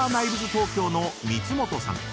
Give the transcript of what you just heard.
東京の三本さん］